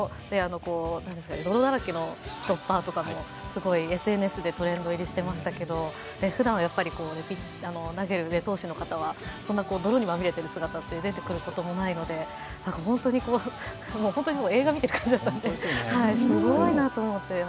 泥だらけのストッパーとかも、すごいＳＮＳでトレンド入りしていましたけど、ふだんは投げる投手の方はそんなに泥にまみれている姿というのもないので本当に映画見てる感じだったので、すごいなと思って。